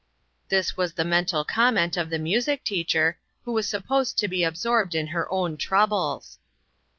This was the mental comment of the music teacher, who was supposed to be absorbed in her own troubles.